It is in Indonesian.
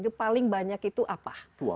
itu paling banyak itu apa